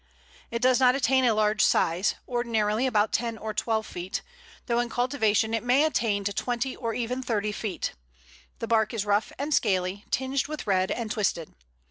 It does not attain a large size ordinarily about ten or twelve feet though in cultivation it may attain to twenty or even thirty feet. The bark is rough and scaly, tinged with red, and twisted.